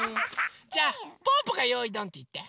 じゃあぽぅぽが「よいどん！」っていって。